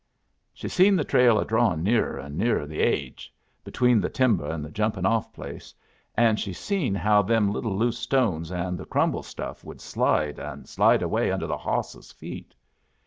"She seen the trail a drawin' nearer and nearer the aidge, between the timber and the jumpin' off place, and she seen how them little loose stones and the crumble stuff would slide and slide away under the hawss's feet.